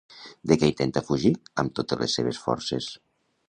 De què intenta fugir amb totes les seves forces?